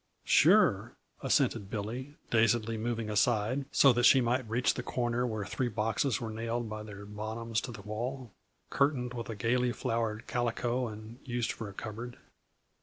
"Sure," assented Billy, dazedly moving aside so that she might reach the corner where three boxes were nailed by their bottoms to the wall, curtained with gayly flowered calico and used for a cupboard.